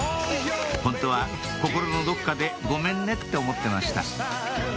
本当は心のどこかで「ごめんね」って思ってました